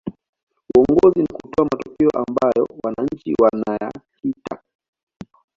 uongozi ni kutoa matokeo ambayo wananchi wanayahita